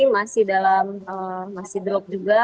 masih dalam masih drop juga